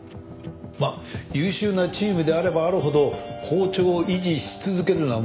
まあ優秀なチームであればあるほど好調を維持し続けるのは難しい。